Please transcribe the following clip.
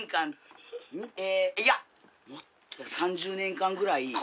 いやもっとや３０年間ぐらい。